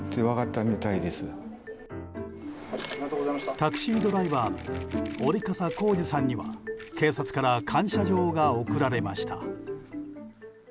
タクシードライバーの折笠浩二さんには警察から感謝状が贈られました。